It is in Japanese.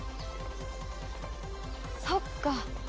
そっか。